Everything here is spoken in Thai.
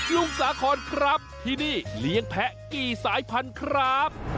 สาครครับที่นี่เลี้ยงแพะกี่สายพันธุ์ครับ